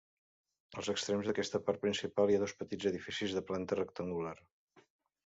Als extrems d'aquesta part principal hi ha dos petits edificis de planta rectangular.